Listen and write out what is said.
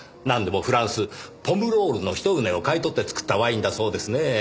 なんでもフランスポムロールのひと畝を買い取って作ったワインだそうですね。